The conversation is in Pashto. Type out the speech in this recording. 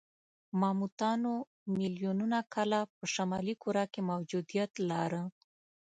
ماموتانو میلیونونه کاله په شمالي کره کې موجودیت لاره.